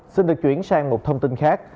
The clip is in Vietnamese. xin được chuyển sang một thông tin khác